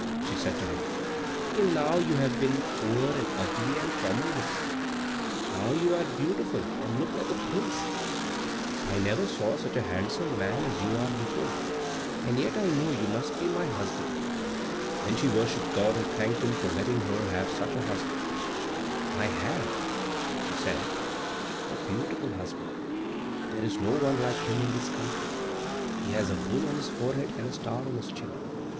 she said to him. "Till now you have been poor, and ugly, and common looking. Now you are beautiful and look like a prince; I never saw such a handsome man as you are before; and yet I know you must be my husband." Then she worshipped God and thanked him for letting her have such a husband. "I have," she said, "a beautiful husband. There is no one like him in this country. He has a moon on his forehead and a star on his chin."